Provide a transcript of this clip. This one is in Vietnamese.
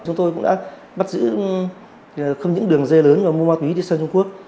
chúng tôi cũng đã bắt giữ không những đường dây lớn mà mua ma túy đi sang trung quốc